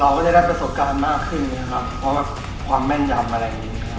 ก็จะได้ประสบการณ์มากขึ้นนะครับเพราะว่าความแม่นยำอะไรอย่างนี้